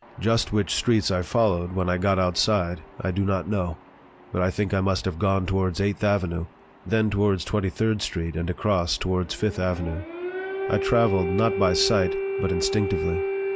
Just which streets I followed when I got outside I do not know, but I think I must have gone towards Eighth Avenue, then down towards Twenty third Street and across towards Fifth Avenue. I traveled, not by sight, but instinctively.